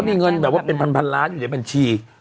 มีเงินแบบว่าเป็นพันล้านอยู่ในบัญชี